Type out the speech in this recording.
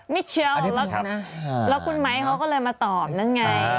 เชียวแล้วคุณไม้เขาก็เลยมาตอบนั่นไง